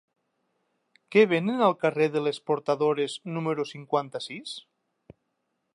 Què venen al carrer de les Portadores número cinquanta-sis?